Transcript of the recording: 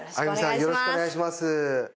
よろしくお願いします。